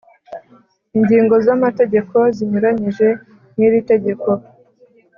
Ingingo z’ amategeko zinyuranyije n’ iri tegeko